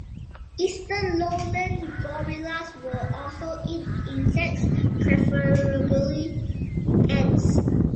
Eastern lowland gorillas will also eat insects, preferably ants.